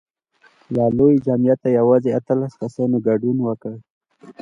له لوی جمعیته یوازې اتلس کسانو ګډون وکړ.